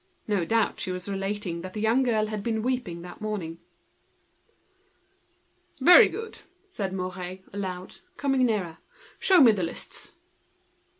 No doubt she was relating that the young girl had been weeping that morning. "Very good!" said Mouret, aloud, coming nearer. "Show me the lists."